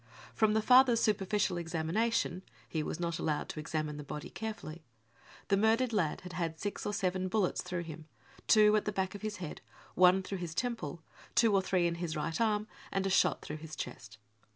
From the father's superficial examination — he was not allowed to examine the body carefully — the murdered lad had had six or seven bullets through him, two at the * back of his head, one through his temple, two or three in his right arm, and a shot through his chest.